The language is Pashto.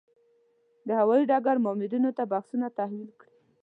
د هوايي ډګر مامورینو ته بکسونه تحویل کړي.